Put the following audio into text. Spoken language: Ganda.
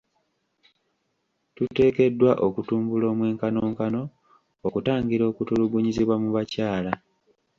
Tuteekeddwa okutumbula omwenkanonkano okutangira okutulugunyizibwa mu bakyala.